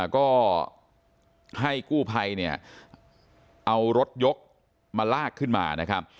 ก็ให้กู้ภัยเนี่ยเอารถยกมาลากขึ้นมานะครับ